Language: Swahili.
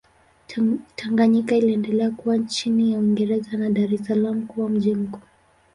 Tanganyika iliendelea kuwa chini ya Uingereza na Dar es Salaam kuwa mji mkuu.